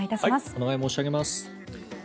お願い申し上げます。